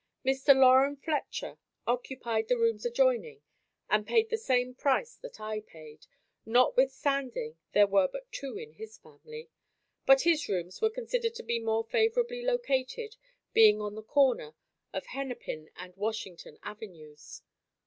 Mr Loren Fletcher occupied the rooms adjoining and paid the same price that I paid, notwithstanding there were but two in his family, but his rooms were considered to be more favorably located being on the corner of Hennepin and Washington Avenues.